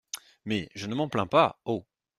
Mais, je ne m’en plains pas, oh !